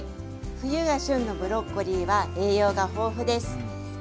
冬が旬のブロッコリーは栄養が豊富です。